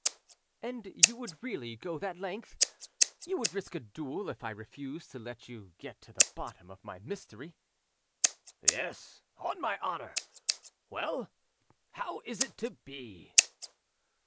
"And you would really go that length? You would risk a duel if I refused to let you get to the bottom of my mystery?" "Yes, on my honour! Well, how is it to be?"